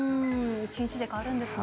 一日で変わるんですね。